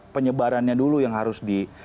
penyebarannya dulu yang harus